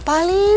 ya udah yaudah